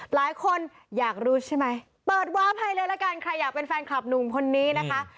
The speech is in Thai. หลายคนอยากรู้ใช่ไหมเปิดวาภัยเลยละกันใครอยากเป็นแฟนคลับหนุ่มคนนี้นะคะ